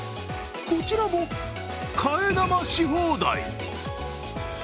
こちらも替え玉し放題。